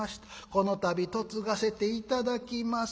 この度嫁がせていただきます』